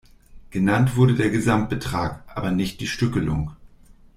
Genannt wurde der Gesamtbetrag, aber nicht die Stückelung.